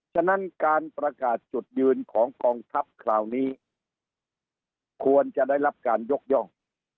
ฉะนั้นการประกาศจุดยืนของกองทัพคราวนี้ควรจะได้รับการยกย่อง